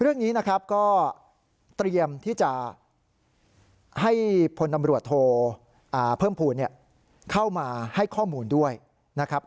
เรื่องนี้นะครับก็เตรียมที่จะให้พลตำรวจโทเพิ่มภูมิเข้ามาให้ข้อมูลด้วยนะครับ